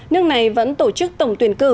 nước này vẫn tổ chức tổng tuyển cử